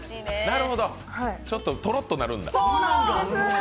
ちょっととろっとなるんだ。